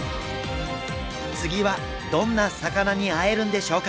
次はどんなサカナに会えるんでしょうか？